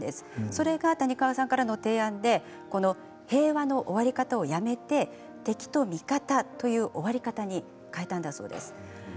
それが、谷川さんからの提案で平和の終わり方をやめて敵と味方という終わり方に変えたんだそうです。